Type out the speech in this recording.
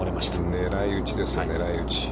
狙い打ちですよ、狙い打ち。